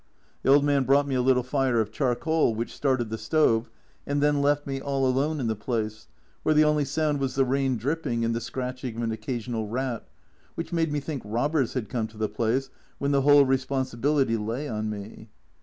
The old man brought me a little fire of char coal, which started the stove, and then left me all alone in the place, where the only sound was the rain drip ping and the scratching of an occasional rat, which made me think robbers had come to the place when the whole responsibility lay on me.